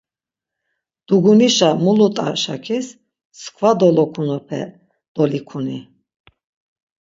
Dugunişa mulut̆a-şakis mskva dolokunupe dolikuni.